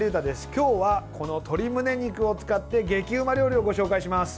今日はこの鶏むね肉を使って激うま料理をご紹介します。